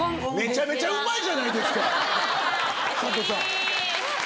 めちゃめちゃうまいじゃないですかサトさん。